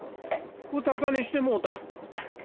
うたたねしてもうた。